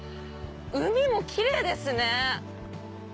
海もきれいですね。